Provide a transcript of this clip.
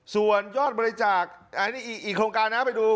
ส่วนยอดบริจาคอีกโครงการนะครับไปดู